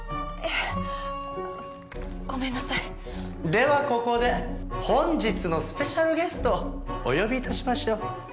ではここで本日のスペシャルゲストお呼び致しましょう。